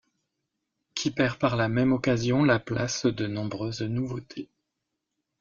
Qui perd par la même occasion la place de nombreuses nouveautés.